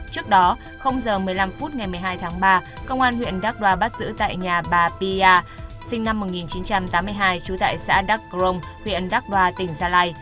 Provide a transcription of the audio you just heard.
trước đó giờ một mươi năm phút ngày một mươi hai tháng ba công an huyện đắk đoa bắt giữ tại nhà bà pia sinh năm một nghìn chín trăm tám mươi hai trú tại xã đắk grong huyện đắc đoa tỉnh gia lai